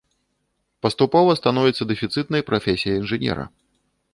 Паступова становіцца дэфіцытнай прафесія інжынера.